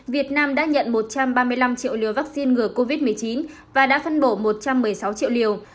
việt nam đã nhận một trăm ba mươi năm triệu liều vaccine ngừa covid một mươi chín và đã phân bổ một trăm một mươi sáu triệu liều